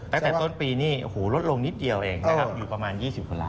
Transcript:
แต่ตั้งแต่ต้นปีนี่หูลดลงนิดเดียวเองอยู่ประมาณ๒๐คนล้าน